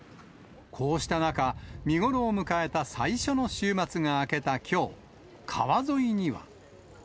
こうした中、見頃を迎えた最初の週末が明けたきょう、川沿いには。